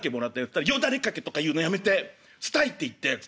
ったら「よだれ掛けとか言うのやめてスタイって言って」。